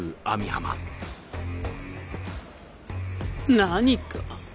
何か？